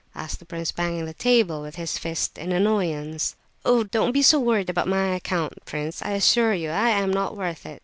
asked the prince, banging the table with his fist, in annoyance. "Oh, don't be so worried on my account, prince! I assure you I am not worth it!